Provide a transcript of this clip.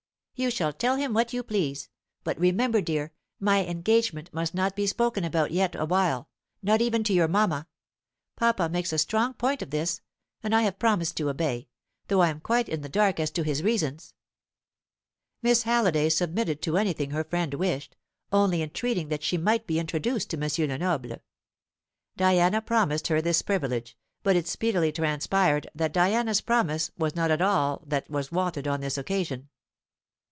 "You shall tell him what you please. But remember, dear, my engagement must not be spoken about yet awhile, not even to your mamma. Papa makes a strong point of this, and I have promised to obey, though I am quite in the dark as to his reasons." Miss Halliday submitted to anything her friend wished; only entreating that she might be introduced to M. Lenoble. Diana promised her this privilege; but it speedily transpired that Diana's promise was not all that was wanted on this occasion.